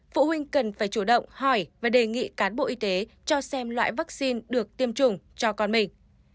phụ huynh cần phải chủ động hỏi và đề nghị cán bộ y tế cho xem loại vaccine được tiêm chủng cho con mình